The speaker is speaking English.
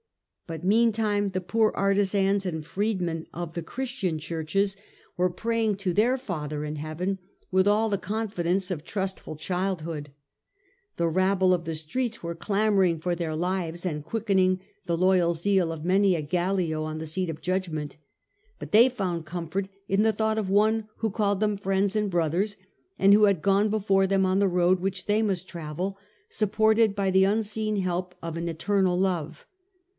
But meantime the poor artisans and freedmen of the Christian churches were 126 T)te Age of the Antonines, A.D. praying to their Father in heaven with all the confidence The con trustful childhood. The rabble of the trastofthe streets were clamouring for their lives, and por^ quickening the loyal zeal of many a Gallio on Christians. jucignient ; but they found comfort in the thought of One who called them friends and brothers, and who had gone before them on the road which they must travel, supported by the unseen help of ^Yi Eternal Love.